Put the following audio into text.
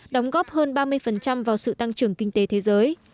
đóng góp hơn ba mươi vào sự tăng trưởng kinh tế thế giới